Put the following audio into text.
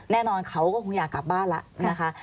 เขาก็คงอยากกลับบ้านแล้วนะคะ